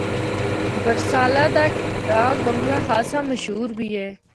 برسالہ دا ڈاک بنگلہ خاصا مشہور بھی اے۔